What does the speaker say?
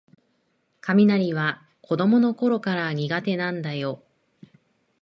雷は子どものころから苦手なんだよ